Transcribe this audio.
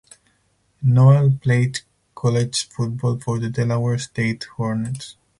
Noel played college football for the Delaware State Hornets.